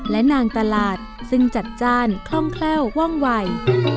และนางตลาดซึ่งจัดจ้านคล่องแคล่วว่องวัย